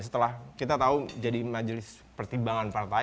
setelah kita tahu jadi majelis pertimbangan partai